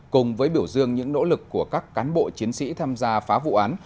cùng với biểu dương những nỗ lực của các cán bộ chiến sĩ tham gia phá vụ án